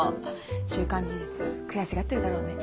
「週刊事実」悔しがってるだろうね。